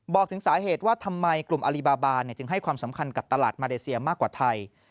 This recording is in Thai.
บอกถึงสาเหตุว่าทำไมกลุ่มอลิบาบานจึงให้ความสำคัญกับตลาดมาเลเซียมากกว่าไทย